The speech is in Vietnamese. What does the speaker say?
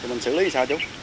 thì mình xử lý sao chú